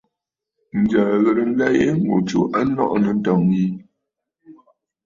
Ǹjə̀ə̀ ghɨ̀rə nlɛ yi ŋù tsù a nɔʼɔ̀ nɨ̂ ǹtɔ̀ŋə̂ yi.